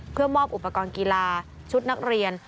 เพื่อมอบอุปกรณ์กีฬาชุดนักเรียน